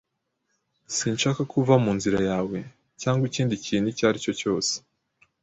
Sinshaka ko uva mu nzira yawe cyangwa ikindi kintu icyo ari cyo cyose.